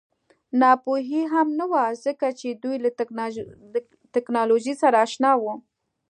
ناپوهي هم نه وه ځکه چې دوی له ټکنالوژۍ سره اشنا وو